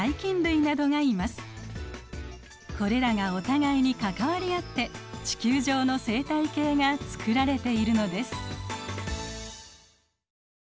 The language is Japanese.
これらがお互いに関わり合って地球上の生態系が作られているのです。